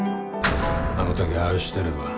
「あの時ああしてれば」